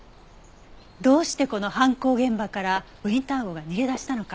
どうしてこの犯行現場からウィンター号が逃げ出したのか。